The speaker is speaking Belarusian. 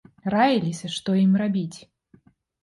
Раіліся, што ім рабіць.